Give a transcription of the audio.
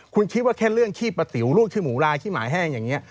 คุณคิดว่าแค่เรื่องขี้ปะติ๋วลูกขี้หมูลายขี้หมาแห้งอย่างนี้